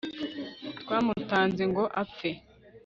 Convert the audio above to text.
twamutanze ngo apfe